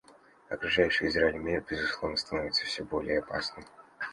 Окружающий Израиль мир, безусловно, становится все более опасным.